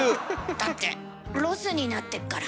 だってロスになってっから。